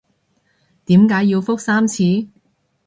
點解要覆三次？